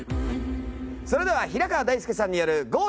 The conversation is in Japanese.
それでは平川大輔さんによるゴー☆